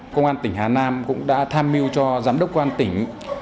công an tỉnh hà nam cũng đã tham mưu cho giám đốc công an tỉnh